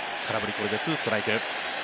これで２ストライク。